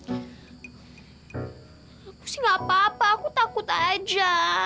aku sih gapapa aku takut aja